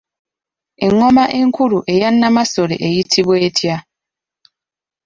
Engoma enkulu eya Nnamasole eyitibwa etya?